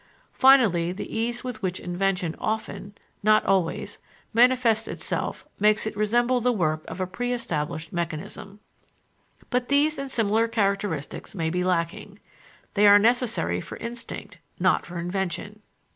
Finally, the ease with which invention often (not always) manifests itself makes it resemble the work of a pre established mechanism. But these and similar characteristics may be lacking. They are necessary for instinct, not for invention.